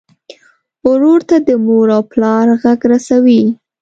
ورور ته د مور او پلار غږ رسوې.